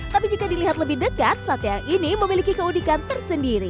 tapi jika dilihat lebih dekat sate yang ini memiliki keunikan tersendiri